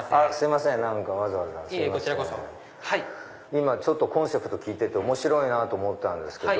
今コンセプト聞いてて面白いなって思ったんですけど。